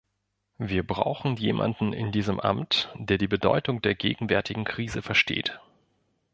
Wir brauchen jemanden in diesem Amt, der die Bedeutung der gegenwärtigen Krise versteht.